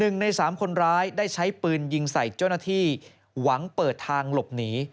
หนึ่งในสามคนร้ายได้ใช้ปืนยิงใส่เจ้าหน้าที่หวังเปิดทางหลบหนี